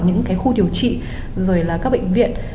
những cái khu điều trị rồi là các bệnh viện